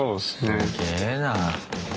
すげぇな。